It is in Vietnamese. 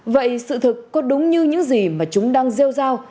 vậy sự thực có đúng như những gì mà chúng đang rêu rao